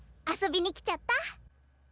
遊びに来ちゃった！